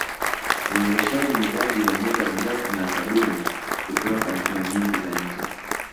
Uendeshaji miradi ya muda mrefu na zabuni kupewa kampuni nyingi za nje